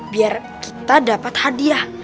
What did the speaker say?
biar kita dapat hadiah